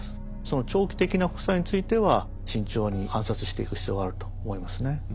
その長期的な副作用については慎重に観察していく必要があると思いますね。